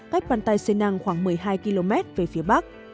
cách pantai senang khoảng một mươi hai km về phía bắc